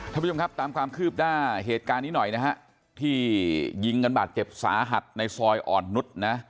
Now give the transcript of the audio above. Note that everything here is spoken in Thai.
ท่านผู้ชมครับตามความคืบหน้าเหตุการณ์นี้หน่อยนะฮะที่ยิงกันบาดเจ็บสาหัสในซอยอ่อนนุษย์นะ